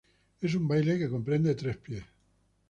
Es un baile que comprende tres pies.